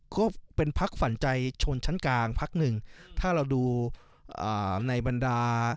ก็เป็นพักฝันใจชนชั้นกลางพักหนึ่งถ้าเราดูในบรรดา